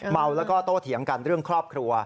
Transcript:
เมาแล้วก็โตเถียงกันเรื่องครอบครัว